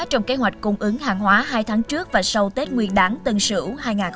trong kế hoạch cung ứng hàng hóa hai tháng trước và sau tết nguyên đáng tân sửu hai nghìn hai mươi một